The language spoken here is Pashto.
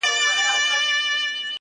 خلک د ازادۍ مجسمې په اړه خبري کوي ډېر،